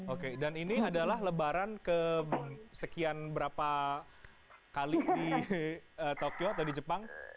oke dan ini adalah lebaran kesekian berapa kali di tokyo atau di jepang